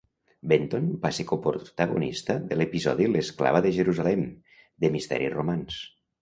Benton va ser coprotagonista de l'episodi "L'esclava de Jerusalem" de "Misteris romans".